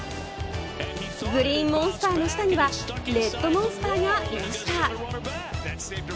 グリーンモンスターの下にはレッドモンスターがいました。